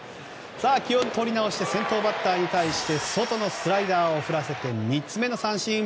気を取り直して先頭バッターに対しては外のスライダーを振らせて３つ目の三振。